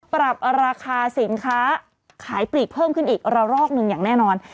ปรับราคาสินค้าขายปลีกเพิ่มขึ้นอีกระรอกหนึ่งอย่างแน่นอน